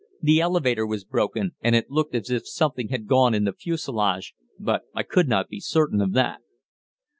The elevator was broken, and it looked as if something had gone in the fuselage, but I could not be certain of that.